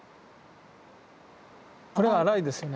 これは粗いですよね。